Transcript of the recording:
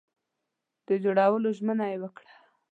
د جوړولو ژمنه یې وکړه.